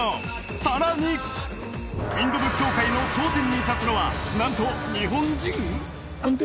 さらにインド仏教界の頂点に立つのは何と日本人！？